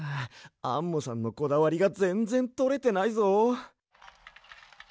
アンモさんのこだわりがぜんぜんとれてないぞ。